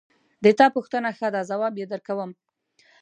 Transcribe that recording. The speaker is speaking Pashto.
د تا پوښتنه ښه ده ځواب یې درکوم